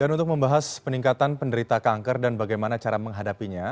dan untuk membahas peningkatan penderita kanker dan bagaimana cara menghadapinya